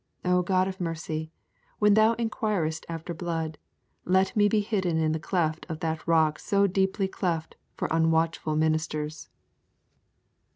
O God of mercy, when Thou inquirest after blood, let me be hidden in the cleft of that Rock so deeply cleft for unwatchful ministers!